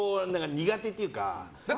苦手っていうか。